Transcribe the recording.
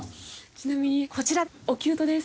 ちなみにこちらおきゅうとです。